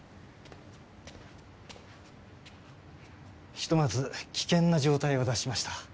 ひとまず危険な状態は脱しました。